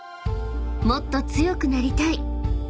［もっと強くなりたい］